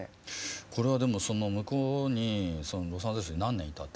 これはでも向こうにロサンゼルスに何年いたって事？